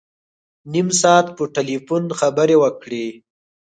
نیم ساعت په ټلفون کې خبري وکړې.